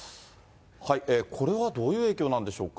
これはどういう影響なんでしょうか。